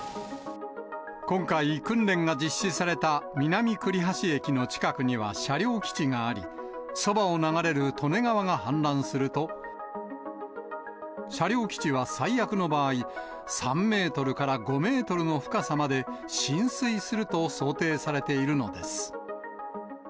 今回、訓練が実施された南栗橋駅の近くには車両基地があり、そばを流れる利根川が氾濫すると、車両基地は最悪の場合、３メートルから５メートルの深さまで浸水すると想定されているのです。